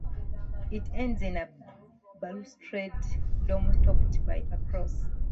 It ends in a balustrade dome topped by a cross.